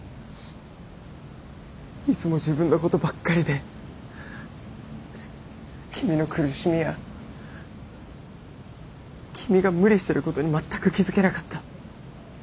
いつも自分のことばっかりで君の苦しみや君が無理してることにまったく気付けなかった。